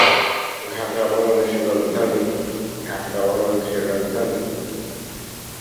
Turkmenistan সীমান্ত এই শহরের কাছেই অবস্থিত।